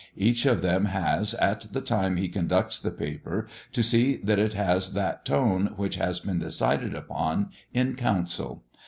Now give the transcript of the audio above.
Each of them has, at the time he conducts the paper, to see that it has that tone which has been decided upon in council.